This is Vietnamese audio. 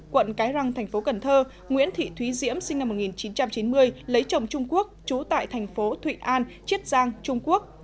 quận cái răng thành phố cần thơ nguyễn thị thúy diễm sinh năm một nghìn chín trăm chín mươi lấy chồng trung quốc trú tại thành phố thụy an chiết giang trung quốc